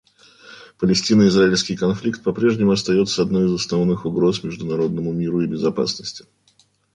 Палестино-израильский конфликт попрежнему остается одной из основных угроз международному миру и безопасности.